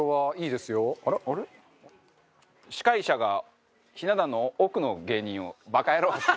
司会者がひな壇の奥の芸人を「バカ野郎」って。